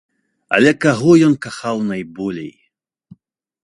Але каго ён кахаў найболей?